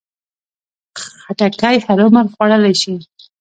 خټکی هر عمر خوړلی شي.